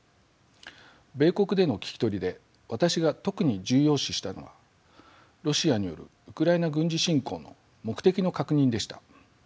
米国での聞き取りで私が特に重要視したのはロシアによるウクライナ軍事侵攻の目的の確認でした。